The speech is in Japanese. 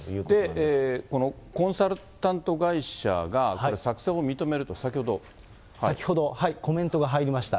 で、このコンサルタント会社が、先ほど、コメントが入りました。